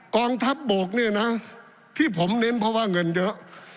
กองทัพบกเนี่ยนะที่ผมเน้นเพราะว่าเงินเยอะ